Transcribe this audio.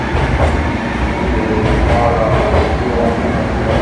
Tudert-iw merra, ad ssefruɣ ɣef Umeɣlal.